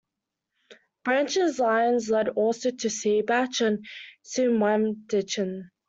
Branch lines led also to Seebach and Schwamendingen.